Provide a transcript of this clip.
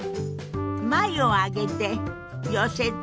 眉を上げて寄せて。